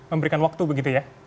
memberikan waktu begitu ya